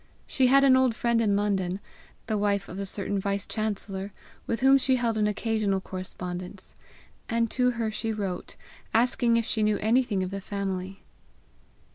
She had an old friend in London, the wife of a certain vice chancellor, with whom she held an occasional correspondence, and to her she wrote, asking if she knew anything of the family.